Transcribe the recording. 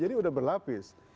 jadi sudah berlapis